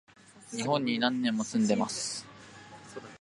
日本に何年も住んでます